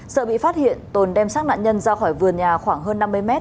sợ bị phát hiện tồn đem sát nạn nhân ra khỏi vườn nhà khoảng hơn năm mươi mét